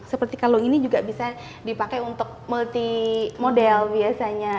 seperti kalung ini juga bisa dipakai untuk multi model biasanya